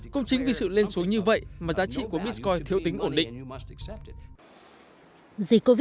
cũng chính vì sự lên xuống như vậy mà giá trị của bitcoin thiếu tính ổn định